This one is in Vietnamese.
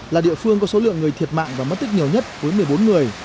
là địa phương có số lượng người thiệt mạng và mất tích nhiều nhất với một mươi bốn người